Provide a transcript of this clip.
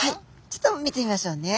ちょっと見てみましょうね。